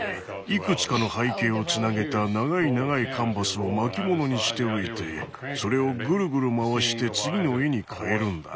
いくつかの背景をつなげた長い長いカンバスを巻物にしておいてそれをぐるぐる回して次の絵に替えるんだ。